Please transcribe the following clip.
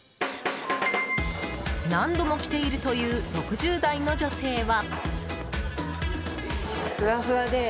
何度も来ているという６０代の女性は。